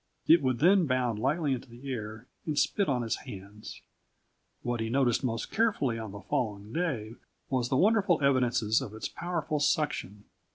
It would then bound lightly into the air and spit on its hands. What he noticed most carefully on the following day was the wonderful evidences of its powerful suction.